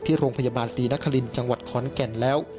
ที่โรงพยาบาลศรีนครินทร์จังหวัดขอนแก่นแล้ว